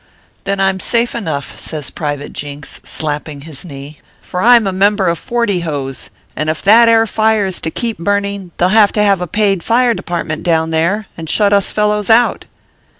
" Then I m safe enough !" says Private Jinks, slapping his knee ;" for I m a member of Forty 282 ORPHEUS C. KERR PAPERS. Hose, and if that air fire is to keep burning, they ll have to have a paid Fire Department down there, and shut us fellows out."